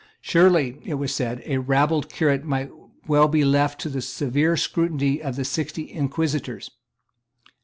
Surely, it was said, a rabbled curate might well be left to the severe scrutiny of the sixty Inquisitors.